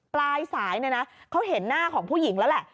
ปลายสายเนี่ยนะเขาเห็นหน้าของผู้หญิงแล้วแหละ